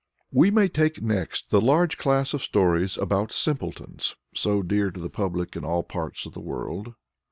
We may take next the large class of stories about simpletons, so dear to the public in all parts of the world.